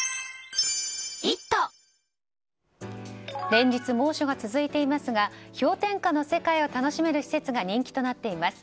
連日猛暑が続いていますが氷点下の世界を楽しめる施設が人気となっています。